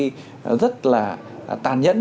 rất là đáng nghĩa là phải hành xử văn minh là phải lịch sự